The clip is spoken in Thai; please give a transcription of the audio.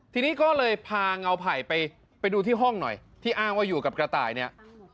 ทีนี้ก็เลยพาเงาไผ่ไปดูที่ห้องหน่อยที่อ้างว่าอยู่กับกระต่ายเนี่ย